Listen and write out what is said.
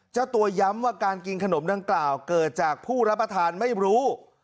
เจ้าตัวย้ำว่าการกินขนมดังกล่าวเกิดจากผู้รับประทานไม่รู้